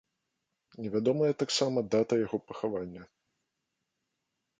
Невядомая таксама дата яго пахавання.